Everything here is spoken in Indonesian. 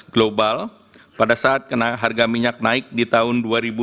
global pada saat harga minyak naik di tahun dua ribu dua puluh